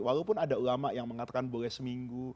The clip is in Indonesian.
walaupun ada ulama yang mengatakan boleh seminggu